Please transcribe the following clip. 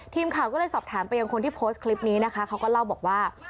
ทีมข่าวก็เลยสอบถามไปยังคนที่โพสต์คลิปนี้นะคะเขาก็เล่าบอกว่า